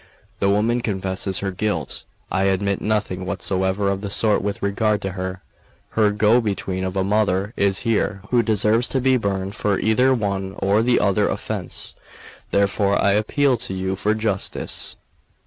The woman confesses her guilt; I admit nothing whatsoever of the sort with regard to her; her go between of a mother is here, who deserves to be burned for either one or the other offence. Therefore I appeal to you for justice."